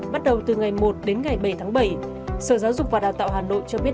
bắt đầu từ ngày một đến ngày bảy tháng bảy sở giáo dục và đào tạo hà nội cho biết